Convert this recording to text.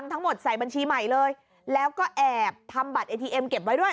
ทั้งหมดใส่บัญชีใหม่เลยแล้วก็แอบทำบัตรเอทีเอ็มเก็บไว้ด้วย